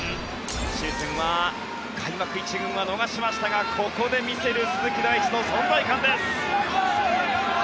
今シーズンは開幕１軍は逃しましたがここで見せる鈴木大地の存在感です。